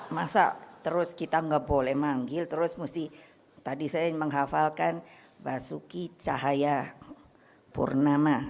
masa terus kita nggak boleh manggil terus mesti tadi saya menghafalkan basuki cahaya purnama